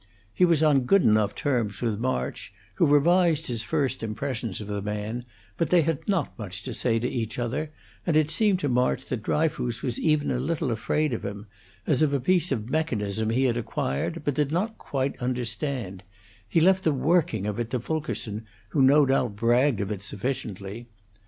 He was on good enough terms with March, who revised his first impressions of the man, but they had not much to say to each other, and it seemed to March that Dryfoos was even a little afraid of him, as of a piece of mechanism he had acquired, but did not quite understand; he left the working of it to Fulkerson, who no doubt bragged of it sufficiently.